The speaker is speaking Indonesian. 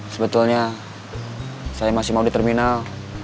sebetulnya saya masih mau di terminal